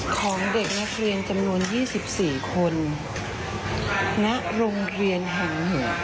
ของเด็กนักเรียนจำนวน๒๔คนณโรงเรียนแห่งหนึ่ง